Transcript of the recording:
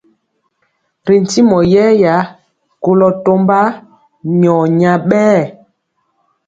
Ri ntimɔ yɛya koló tɔmba nyɔ nya bɛɛ.